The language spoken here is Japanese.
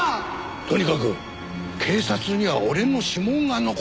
とにかく警察には俺の指紋が残っているんだ。